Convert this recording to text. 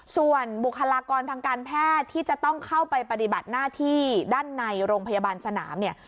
ส่วนบุคลากรทางการแพทย์ที่จะต้องเข้าไปปฏิบัติหน้าที่ด้านในโรงพยาบาลสนามเนี่ย